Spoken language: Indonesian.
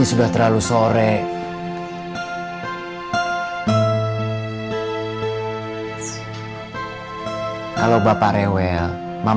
saya selalu bersentuhan malam